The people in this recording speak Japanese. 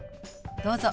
どうぞ。